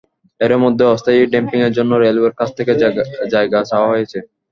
এরই মধ্যে অস্থায়ী ড্যাম্পিংয়ের জন্য রেলওয়ের কাছ থেকে জায়গা চাওয়া হয়েছে।